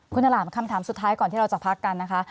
คุณอล่ามคำถามสุดท้ายก่อนที่เราจะพักกันนะคะ